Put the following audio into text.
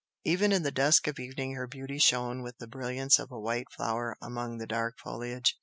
Even in the dusk of evening her beauty shone with the brilliance of a white flower among the dark foliage.